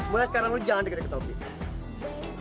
boleh karena lo jangan deket deket objek